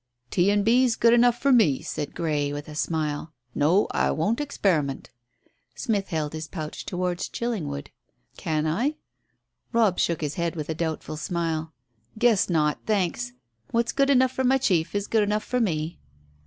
"T. and B.'s good enough for me," said Grey, with a smile. "No, I won't experiment." Smith held his pouch towards Chillingwood. "Can I?" Robb shook his head with a doubtful smile. "Guess not, thanks. What's good enough for my chief is good enough for me."